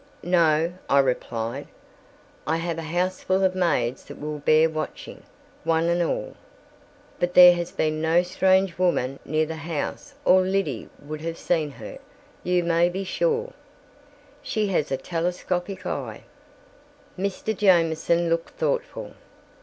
"No," I replied. "I have a houseful of maids that will bear watching, one and all. But there has been no strange woman near the house or Liddy would have seen her, you may be sure. She has a telescopic eye." Mr. Jamieson looked thoughtful.